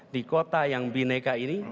di kota yang bineka ini